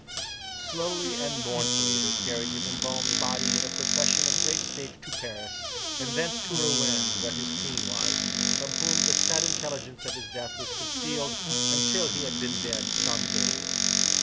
Slowly and mournfully they carried his embalmed body in a procession of great state to Paris, and thence to Rouen where his Queen was: from whom the sad intelligence of his death was concealed until he had been dead some days.